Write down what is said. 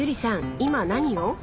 今何を？